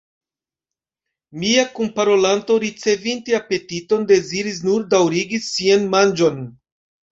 Mia kunparolanto, ricevinte apetiton, deziris nur daŭrigi sian manĝon.